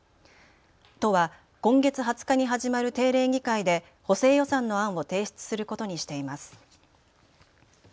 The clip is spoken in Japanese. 都は今月２０日に始まる定例議会で補正予算の案を提出することにしています。